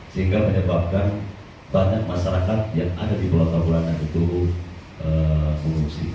sehingga menyebabkan banyak masyarakat yang ada di pulau taburan itu mengungsi